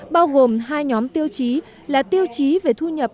bao gồm hai nhóm tiêu chí là tiêu chí về thu nhập